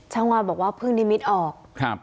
ชาวบ้านบอกว่าเพิ่งนิมิตออก